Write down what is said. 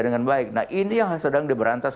dengan baik nah ini yang sedang diberantas